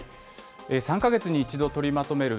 ３か月に１度取りまとめる